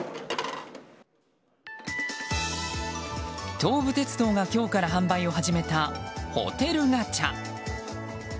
東武鉄道が今日から販売を始めたホテルガチャ。